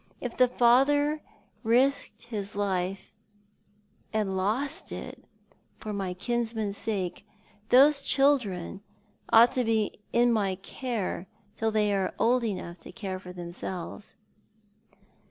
If the father risked his life — and lost it — for my kinsman's sake, those chil dren ought to be my care till they are old enough to care for themselves."